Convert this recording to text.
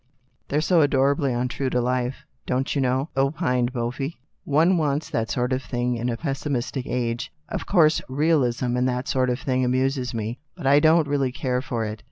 They're so adorably untrue to life, don't you know," opined Beaufy. " One wants that sort of thing in a pessimistic age. Of course Ibsenism and that sort of thing amuses me, but I don't really care for it."